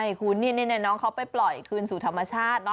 ใช่คุณนี่น้องเขาไปปล่อยคืนสู่ธรรมชาติเนอ